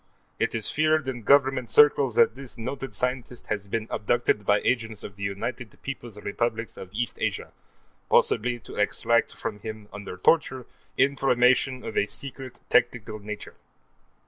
It is feared in Government circles that this noted scientist has been abducted by agents of the United Peoples' Republics of East Asia, possibly to extract from him, under torture, information of a secret technical nature.